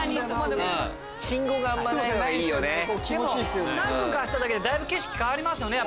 でも何分か走っただけでだいぶ景色変わりますよね。